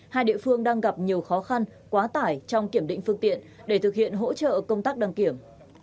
hai địa phương đang gặp nhiều khó khăn quá tải trong kiểm định phương tiện để thực hiện hỗ trợ công tác đăng kiểm